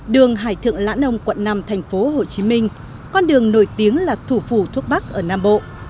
đường hải thượng lãn ông quận năm tp hcm con đường nổi tiếng là thủ phủ thuốc bắc ở nam bộ